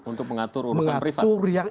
untuk mengatur urusan privat